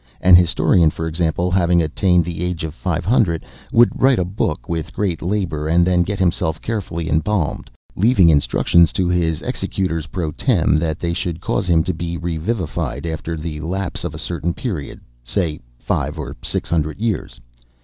An historian, for example, having attained the age of five hundred, would write a book with great labor and then get himself carefully embalmed; leaving instructions to his executors pro tem., that they should cause him to be revivified after the lapse of a certain period—say five or six hundred years.